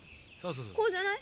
こうじゃない？